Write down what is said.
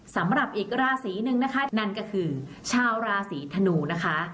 สำหรับอีกราศีหนึ่งนะคะนั่นก็คือชาวราศีธนูนะคะ